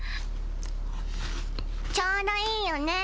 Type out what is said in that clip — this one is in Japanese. ちょうどいいよね！